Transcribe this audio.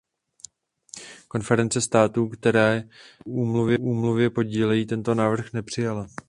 Konference států, které se na úmluvě podílejí, tento návrh nepřijala.